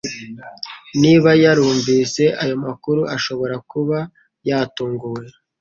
Niba yarumvise ayo makuru, ashobora kuba yatunguwe